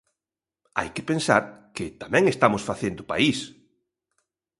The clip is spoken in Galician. Hai que pensar que tamén estamos facendo país.